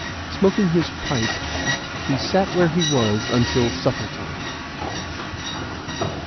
Smoking his pipe, he sat where he was until supper time.